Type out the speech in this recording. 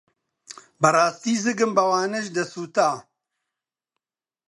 بەڕاستی زگم بەوانەش دەسووتا.